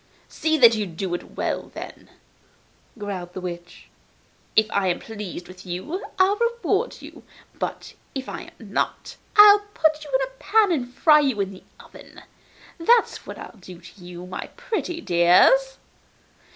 'See that you do it well, then,' growled the witch. 'If I am pleased with you, I'll reward you; but if I am not, I'll put you in a pan and fry you in the oven that's what I'll do with you, my pretty dears!